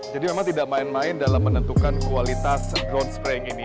jadi memang tidak main main dalam menentukan kualitas drone spraying ini